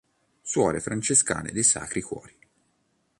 Suore francescane dei Sacri Cuori